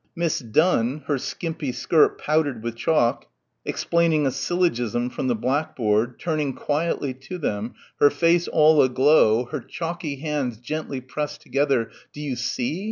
Miss Donne, her skimpy skirt powdered with chalk, explaining a syllogism from the blackboard, turning quietly to them, her face all aglow, her chalky hands gently pressed together, "Do you see?